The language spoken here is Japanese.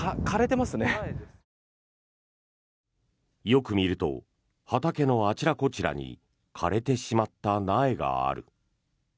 よく見ると畑のあちらこちらに枯れてしまった苗がある。